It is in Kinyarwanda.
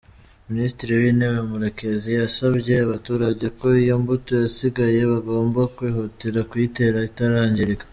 Minisitiri w’Intebe Murekezi yasabye abaturage ko iyo mbuto yasigaye bagomba kwihutira kuyitera itarangirika.